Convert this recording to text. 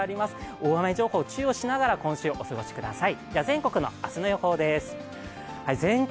大雨情報に注意しながら今週、お過ごしください。